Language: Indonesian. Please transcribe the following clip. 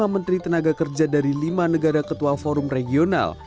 lima menteri tenaga kerja dari lima negara ketua fomo